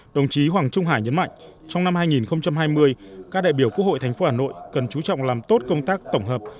đồng chí hoàng trung hải nhấn mạnh trong năm hai nghìn hai mươi các đại biểu quốc hội tp hà nội cần chú trọng làm tốt công tác tổng hợp